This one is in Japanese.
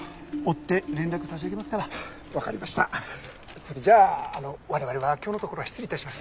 それじゃあ我々は今日のところは失礼致します。